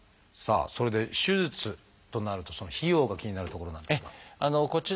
さあそれで手術となるとその費用が気になるところなんですが。